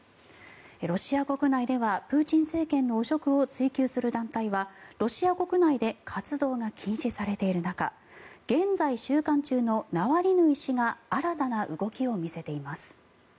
ロシア国内ではプーチン政権の汚職を追及する団体はロシア国内で活動が禁止されている中現在収監中のナワリヌイ氏が新たな動きを見せています。